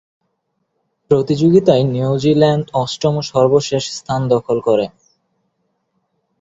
প্রতিযোগিতায় নিউজিল্যান্ড অষ্টম ও সর্বশেষ স্থান দখল করে।